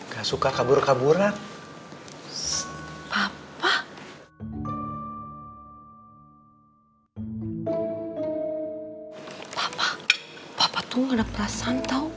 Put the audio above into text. gak suka kabur kaburan